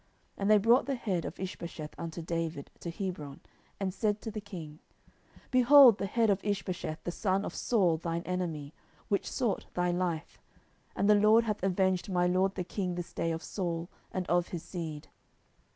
10:004:008 And they brought the head of Ishbosheth unto David to Hebron, and said to the king, Behold the head of Ishbosheth the son of Saul thine enemy, which sought thy life; and the LORD hath avenged my lord the king this day of Saul, and of his seed.